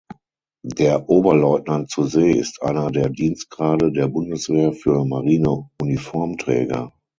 Der Oberleutnant zur See ist einer der Dienstgrade der Bundeswehr für Marineuniformträger.